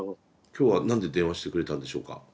今日は何で電話してくれたんでしょうか。